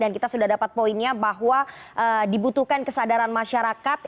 dan kita sudah dapat poinnya bahwa dibutuhkan kesadaran masyarakat